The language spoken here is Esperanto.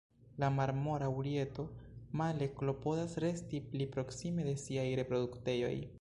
La Marmora urieto, male klopodas resti pli proksime de siaj reproduktejoj.